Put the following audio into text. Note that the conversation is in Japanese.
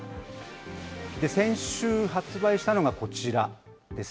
先週発売したのがこちらです。